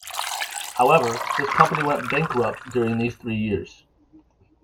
However, his company went bankrupt during these three years.